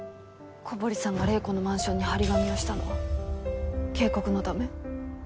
古堀さんが玲子のマンションに貼り紙をしたのは警告のため？